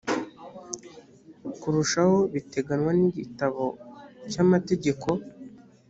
kurushaho biteganywa n igitabo cy amategeko